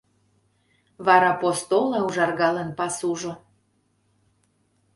Вара постола ужаргалын пасужо...